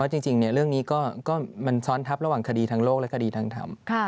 จริงเรื่องนี้ก็มันซ้อนทับระหว่างคดีทางโลกและคดีทางธรรม